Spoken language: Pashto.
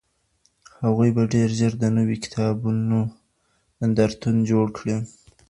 هغوی به ډېر ژر د نويو کتابونو نندارتون جوړ کړي.